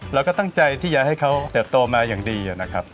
เราก็ตั้งใจที่จะให้เขาเติบโตมาอย่างดีนะครับ